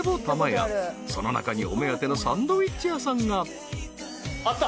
［その中にお目当てのサンドウィッチ屋さんが］あった。